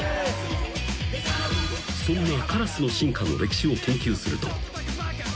［そんなカラスの進化の歴史を研究すると］